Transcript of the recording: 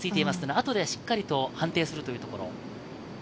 あとでしっかりと判定するというところ。